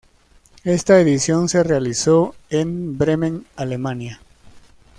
Esta edición se realizó en Bremen, Alemania.